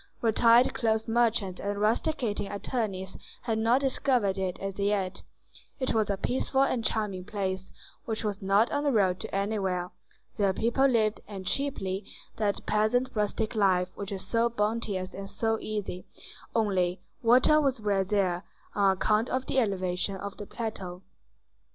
Retired cloth merchants and rusticating attorneys had not discovered it as yet; it was a peaceful and charming place, which was not on the road to anywhere: there people lived, and cheaply, that peasant rustic life which is so bounteous and so easy; only, water was rare there, on account of the elevation of the plateau.